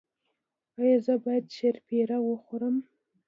ایا زه باید شیرپیره وخورم؟